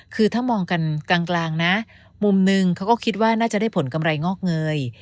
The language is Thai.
คือถ้ามองกันกลางนะมุมนึงเขาก็คิดว่าน่าจะได้ผลกำไรงอกเงย